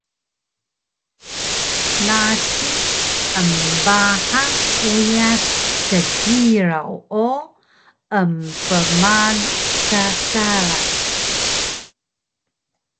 nasi embahang uyas kjiraw o empmalu ka karac